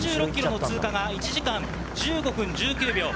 ２６ｋｍの通過が１時間１５分１９秒。